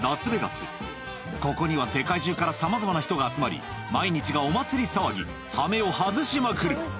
ここには世界中からさまざまな人が集まり毎日がお祭り騒ぎ羽目を外しまくる